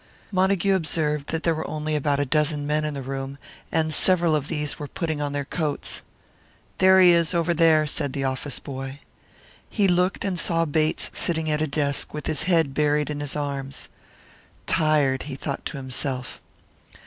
Montague observed that there were only about a dozen men in the room; and several of these were putting on their coats. "There he is, over there," said the office boy. He looked and saw Bates sitting at a desk, with his head buried in his arms. "Tired," he thought to himself.